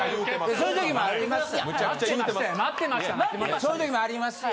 そういう時もありますやん。